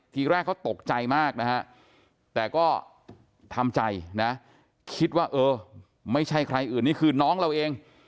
ทีแรกเขาตกใจมากนะฮะแต่ก็ทำใจนะคิดว่าเออไม่ใช่ใครอื่นนี่คือน้องเราเอง